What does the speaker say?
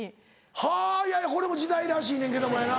はぁいやいやこれも時代らしいねんけどもやな。